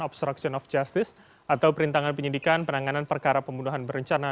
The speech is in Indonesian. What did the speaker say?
obstruction of justice atau perintangan penyidikan penanganan perkara pembunuhan berencana